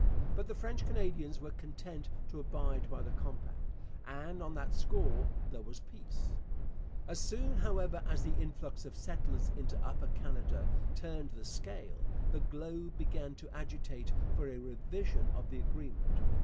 But the French Canadians were content to abide by the compact, and on that score there was peace. As soon, however, as the influx of settlers into Upper Canada turned the scale, the Globe began to agitate for a revision of the agreement.